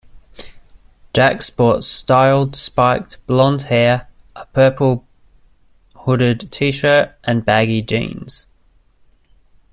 Jak sports styled spiked blonde hair, a purple hooded T-shirt and baggy jeans.